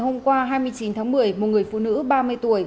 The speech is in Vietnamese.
hôm qua hai mươi chín tháng một mươi một người phụ nữ ba mươi tuổi